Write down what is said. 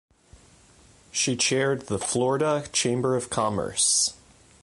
She chaired the Florida Chamber of Commerce.